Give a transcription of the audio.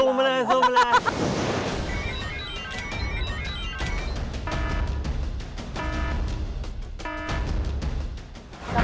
สูงมาเลย